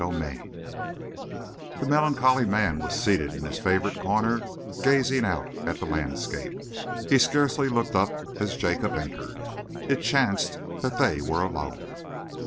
CHAPTER II The melancholy man was seated in his favourite corner, gazing out at the landscape. He scarcely looked up as Jacob entered. It chanced that they were alone.